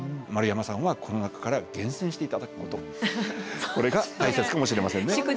丸山さんはこの中から厳選して頂くことこれが大切かもしれませんね。